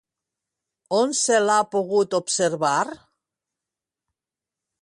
On se l'ha pogut observar?